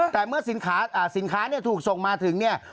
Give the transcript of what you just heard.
แต่เมื่อสินค้าเนี่ยถูกส่งมาถึงเนี่ย